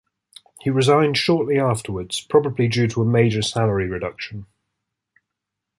He resigned shortly afterwards probably due to a major salary reduction.